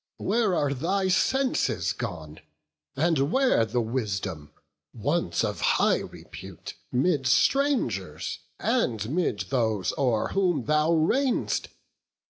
where are thy senses gone? And where the wisdom, once of high repute 'Mid strangers, and 'mid those o'er whom thou reign'st?